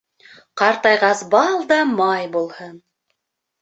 Ҡартайғас бал да май булһын.